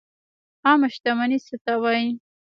عامه شتمني څه ته وایي؟